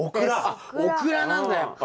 あっオクラなんだやっぱ。